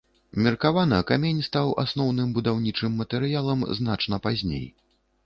Меркавана, камень стаў асноўным будаўнічым матэрыялам значна пазней.